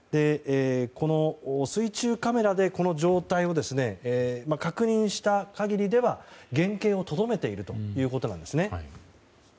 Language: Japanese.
水中カメラでこの状態を確認した限りでは原形をとどめているということです。